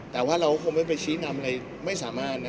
แต่ว่าเราก็คงไม่ไปชี้นำอะไรไม่สามารถนะ